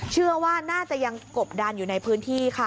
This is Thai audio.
เชื่อว่าน่าจะยังกบดันอยู่ในพื้นที่ค่ะ